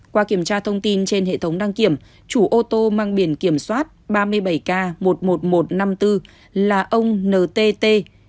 qua kiểm tra thông tin trên hệ thống đăng kiểm chủ ô tô mang biển kiểm soát ba mươi bảy k một mươi một nghìn một trăm năm mươi bốn là ông ntt